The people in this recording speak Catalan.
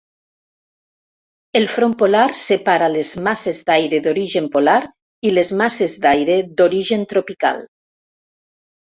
El front polar separa les masses d'aire d'origen polar i les masses d'aire d'origen tropical.